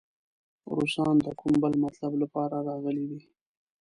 روسان د کوم بل مطلب لپاره راغلي دي.